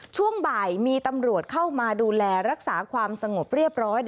ช่วงบ่ายมีตำรวจเข้ามาดูแลรักษาความสงบเรียบร้อย